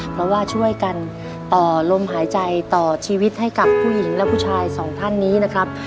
เพราะว่าช่วยกันต่อลมหายใจต่อชีวิตให้กับผู้หญิงและผู้ชายสองท่านนี้นะครับ